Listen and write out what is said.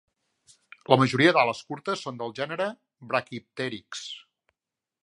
La majoria d'ales curtes són del gènere "Brachypteryx".